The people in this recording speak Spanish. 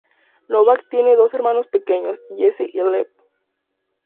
Novak tiene dos hermanos pequeños, Jesse y Lev.